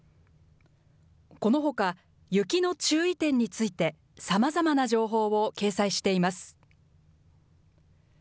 このほか、雪の注意点について、さまざまな情報を掲載しています。